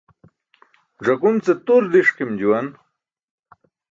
Ẓakun ce tur diṣkim juwan.